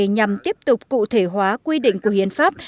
nhằm tiếp tục cụ thể hóa quy định của hiến pháp